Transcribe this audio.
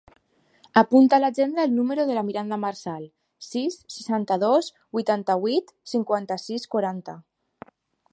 Apunta a l'agenda el número de la Miranda Marsal: sis, seixanta-dos, vuitanta-vuit, cinquanta-sis, quaranta.